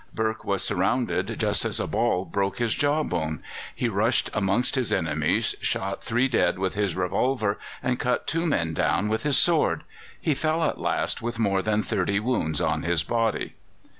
Burke was surrounded just as a ball broke his jawbone. He rushed amongst his enemies, shot three dead with his revolver, and cut two men down with his sword. He fell at last with more than thirty wounds in his body.